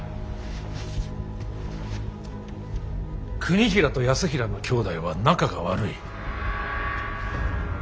国衡と泰衡の兄弟は仲が悪い。